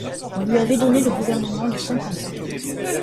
On lui avait donné le gouvernement de Saint-Quentin.